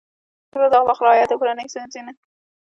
د ښو اخلاقو رعایت د کورنۍ، ښوونځي او ټولنې ارزښت زیاتوي.